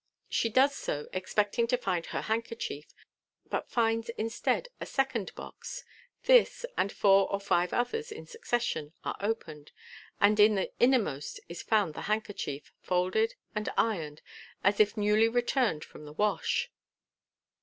She does so, expecting to find her handkerchief, but finds instead a second box. This, and four or five others in succession, are opened, and in the innermost is found the handkerchief, folded and ironed, as if newly returned from the wash.